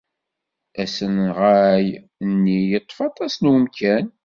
Asenɣay-nni yeṭṭef aṭas n umkan.